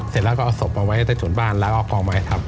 เสร็จแล้วก็เอาสบเอาไว้ในสุดบ้านแล้วเอากองไม้ทับ